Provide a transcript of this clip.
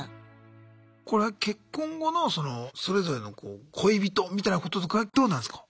これは結婚後のそれぞれの恋人みたいなこととかはどうなんすか？